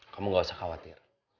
kamu gak usah khawatir